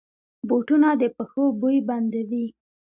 بوټونه د پښو بوی بندوي.